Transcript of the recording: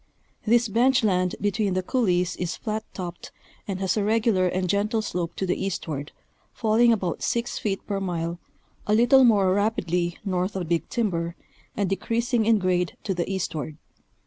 This bench land between the couleés is flat topped and has a regular and gentle slope to the eastward, The Irrigation Problem in Montana. 227 falling about six feet per mile, a little more rapidly north of Big Timber, and decreasing in grade to the eastward.